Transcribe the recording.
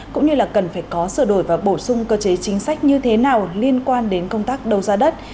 cũng như là cần phải có sửa đổi và bổ sung cơ chế chính sách như thế nào liên quan đến công tác đấu giá đất